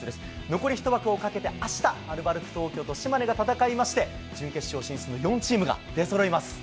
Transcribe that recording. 残り１枠をかけてあした、アルバルク東京と島根が戦いまして、準決勝進出の４チームが出そろいます。